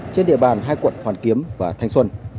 trên địa bàn hai quận hoàn kiếm và thanh xuân